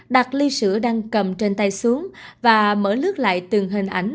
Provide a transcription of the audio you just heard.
đặt ly sữa đang cầm trên tay xuống và mở lướt lại từng hình ảnh